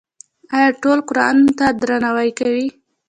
آیا ټول قرآن ته درناوی کوي؟